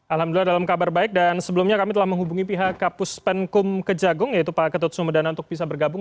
alhamdulillah dalam kabar baik dan sebelumnya kami telah menghubungi pihak kapus penkum kejagung yaitu pak ketut sumedana untuk bisa bergabung